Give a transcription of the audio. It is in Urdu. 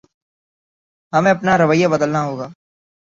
ہمیں اپنا رویہ بدلنا ہوگا